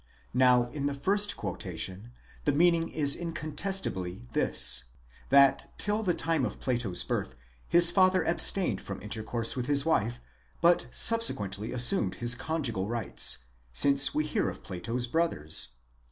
Now in the first quotation" the meaning is incontestably this :—that till the time of Plato's birth his father abstained from intercourse with his wife, but subsequently assumed his con jugal rights, since we hear of Plato's brothers.